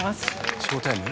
ショータイム？